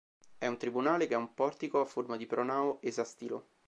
È un tribunale che ha un portico a forma di pronao esastilo.